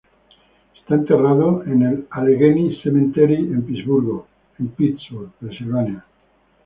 Está enterrado en el Allegheny Cemetery en Pittsburgh, Pennsylvania.